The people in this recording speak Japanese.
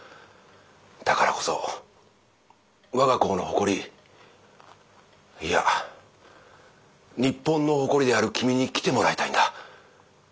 だからこそ我が校の誇りいや日本の誇りである君に来てもらいたいんだ。